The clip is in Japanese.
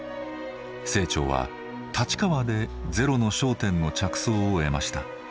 清張は立川で「ゼロの焦点」の着想を得ました。